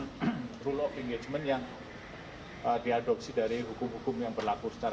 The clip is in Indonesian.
diadopsi dari hukum hukum yang berlaku secara internasional maupun asianal